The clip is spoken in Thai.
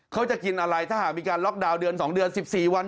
เขาจะกินอะไรถ้าหากมีการล็อกดาวน์เดือน๒เดือน๑๔วัน